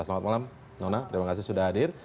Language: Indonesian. selamat malam nona terima kasih sudah hadir